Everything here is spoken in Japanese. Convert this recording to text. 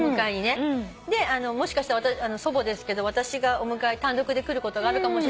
もしかしたら祖母ですけど私がお迎え単独で来ることがあるかもしれません。